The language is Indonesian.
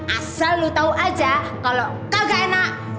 asal lo tau aja kalo kagak enak